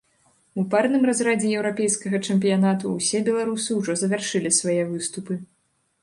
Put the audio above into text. У парным разрадзе еўрапейскага чэмпіянату ўсе беларусы ўжо завяршылі свае выступы.